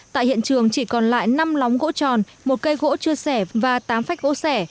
tại hiện trường chỉ còn lại năm lóng gỗ tròn một cây gỗ chưa sẻ và tám phách gỗ sẻ